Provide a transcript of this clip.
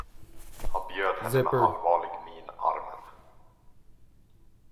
Han bjöd henne med allvarlig min armen.